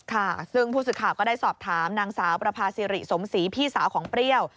ค่ะซึ่งผู้สื่อข่าวก็ได้สอบถามนางสาวประพาซิริสมศรีพี่สาวของเปรี้ยว